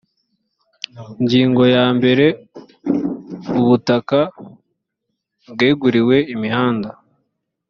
ingingo ya mbere ubutaka bweguriwe imihanda